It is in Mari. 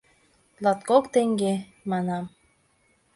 — Латкок теҥге, — манам.